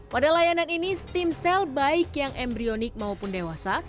pada layanan ini stem cell baik yang embryonik maupun dewasa